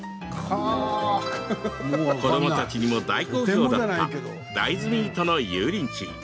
子どもたちにも大好評だった大豆ミートの油淋鶏。